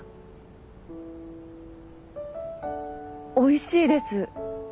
おいしいです。